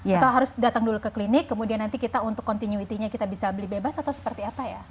atau harus datang dulu ke klinik kemudian nanti kita untuk continuity nya kita bisa beli bebas atau seperti apa ya